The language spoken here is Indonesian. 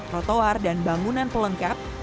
rotoar dan bangunan pelengkap